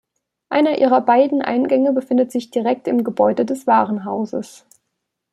Einer ihrer beiden Eingänge befindet sich direkt im Gebäude des Warenhauses.